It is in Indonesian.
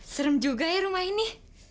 serem juga ya rumah ini